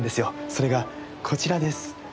それが、こちらです。